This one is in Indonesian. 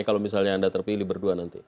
kalau misalnya anda terpilih berdua nanti